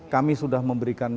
kami sudah memberikan